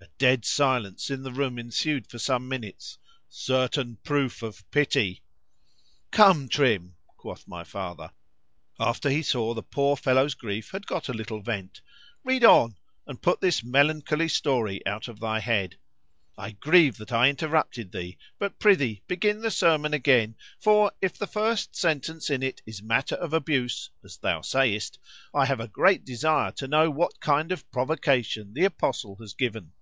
—A dead silence in the room ensued for some minutes.—Certain proof of pity! Come Trim, quoth my father, after he saw the poor fellow's grief had got a little vent,—read on,—and put this melancholy story out of thy head:—I grieve that I interrupted thee; but prithee begin the sermon again;—for if the first sentence in it is matter of abuse, as thou sayest, I have a great desire to know what kind of provocation the apostle has given.